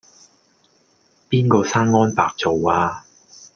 邊個生安白造呀?